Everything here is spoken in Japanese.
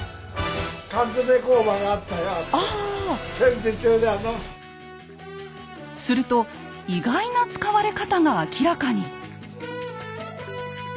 今回はこのすると意外な使われ方が明らかに。